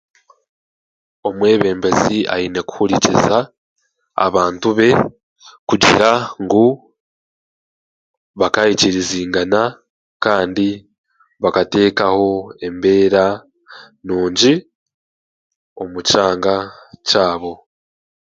omwebembezi aine kuhurikiza abantu be kugira ngu bakaikirizingana kandi bakateekaho embeera nungi omu kyanga kyabo